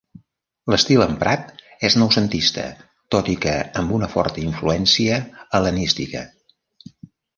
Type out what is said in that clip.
L'estil emprat és noucentista, tot i que amb una forta influència hel·lenística.